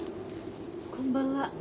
こんばんは。